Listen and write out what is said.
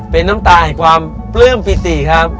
เป็นน้ำตาแห่งความปลื้มปิติครับ